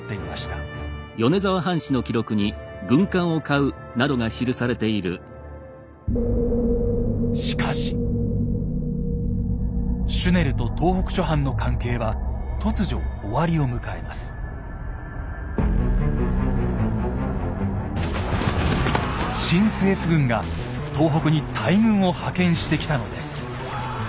新政府軍が東北に大軍を派遣してきたのです。